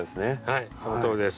はいそのとおりです。